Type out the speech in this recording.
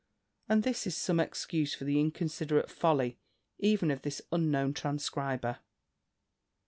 And this is some excuse for the inconsiderate folly even of this unknown transcriber."